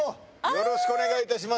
よろしくお願いします。